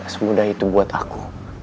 semudah itu buat aku